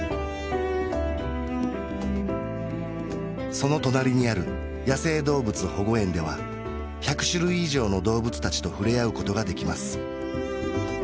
その隣にある野生動物保護園では１００種類以上の動物達と触れ合うことができます